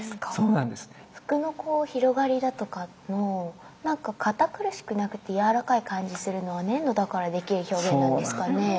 服の広がりだとかも何か堅苦しくなくてやわらかい感じするのは粘土だからできる表現なんですかね？